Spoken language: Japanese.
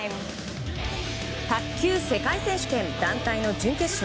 卓球世界選手権、団体の準決勝。